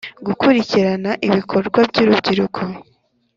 Gukurikirana ibikorwa by urubyiruko